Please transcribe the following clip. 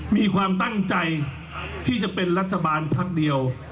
มีความตั้งใจที่จะเป็นรัฐบาลพักเดียว